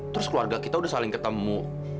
terus keluarga kita udah saling ketemu